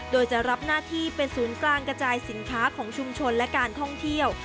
โดยจะรับหน้าที่เป็นศูนย์กลางกระจายสินค้าของชุมชนและการท่องเที่ยว